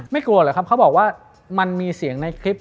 กลัวเหรอครับเขาบอกว่ามันมีเสียงในคลิป